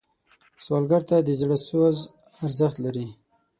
سوالګر ته د زړه سوز ارزښت لري